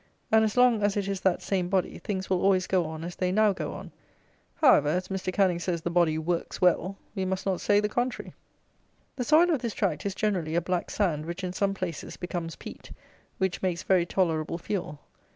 And, as long as it is that same body, things will always go on as they now go on. However, as Mr. Canning says the body "works well," we must not say the contrary. The soil of this tract is, generally, a black sand, which, in some places, becomes peat, which makes very tolerable fuel.